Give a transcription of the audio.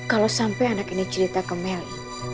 kalau sampai anak ini cerita ke melly